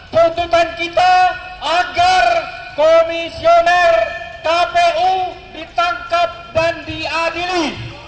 tuntutan kita agar komisioner kpu ditangkap dan diadili